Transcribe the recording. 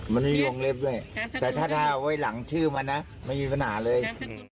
มันไม่มีวงเล็บด้วยแต่ถ้าเอาไว้หลังชื่อมันนะไม่มีปัญหาเลย